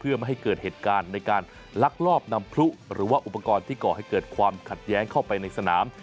เพื่อไม่ให้เกิดเหตุการณ์ในการลักลอบนำพลุหรือว่าอุปกรณ์ที่ก่อให้เกิดความขัดแย้งเข้าไปในสนาม